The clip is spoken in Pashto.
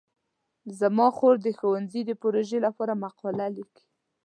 زما خور د ښوونځي د پروژې لپاره مقاله لیکي.